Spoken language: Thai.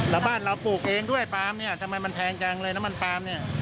แล้วบ้านเราปลูกเองด้วยปลามเนี่ยทำไมมันแพงจังเลยน้ำมันปลามเนี่ย